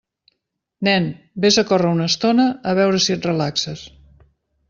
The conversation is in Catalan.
Nen, vés a córrer una estona, a veure si et relaxes.